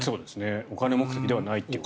お金目的ではないということです。